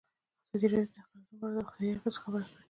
ازادي راډیو د اقلیتونه په اړه د روغتیایي اغېزو خبره کړې.